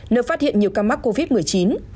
nơi phát hiện nhiều ca mắc covid một mươi chín